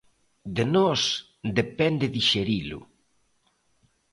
De nós depende dixerilo.